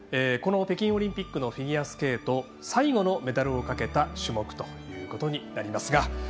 この北京オリンピックのフィギュアスケート最後のメダルをかけた種目となりますが。